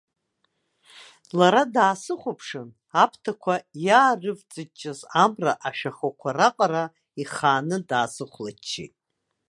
Лара даасыхәаԥшын, аԥҭақәа иаарывҵыҷҷаз амра ашәахәақәа раҟара ихааны даасыхәлаччеит.